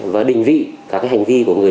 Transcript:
và đình vị